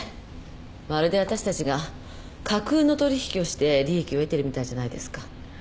まるでわたしたちが架空の取引をして利益を得てるみたいじゃないですか。